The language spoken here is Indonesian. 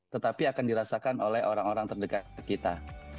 tetapi akan dirasakan oleh orang orang terdekat kita